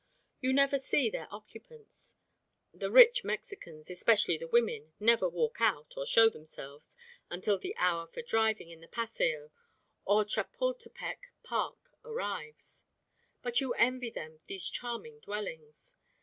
You never see their occupants (the rich Mexicans, especially the women, never walk out or show themselves until the hour for driving in the Paseo or Chapultepec Park arrives), but you envy them these charming dwellings.